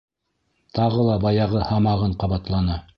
Тағы ла баяғы һамағын ҡабатланы.